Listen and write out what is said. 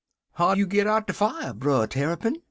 "'How you git out de fier, Brer Tarrypin?'